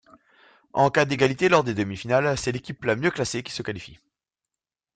En cas d'égalité lors des demi-finales, c'est l'équipe la mieux classée qui se qualifie.